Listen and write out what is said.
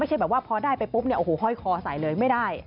ไม่ใช่แบบว่าพอได้ไปปุ๊บเนี่ยโอ้โหห้อยคอใส่เลยไม่ได้